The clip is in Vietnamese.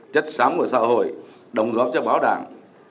chất sáng của xã hội đồng góp cho báo đảng